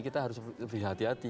kita harus lebih hati hati